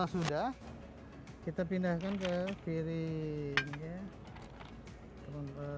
sudah kita pindahkan ke piring